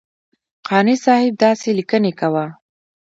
قانع صاحب داسې لیکنې کوه.